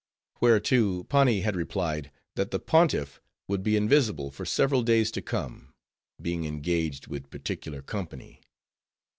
Whereto Pani had replied, that the Pontiff would be invisible for several days to come; being engaged with particular company.